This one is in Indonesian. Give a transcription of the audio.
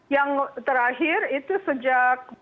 yang terakhir itu sejak kebutuhan konservatif